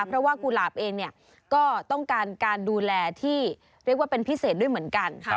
เพราะว่ากุหลาบเองก็ต้องการการดูแลที่เรียกว่าเป็นพิเศษด้วยเหมือนกัน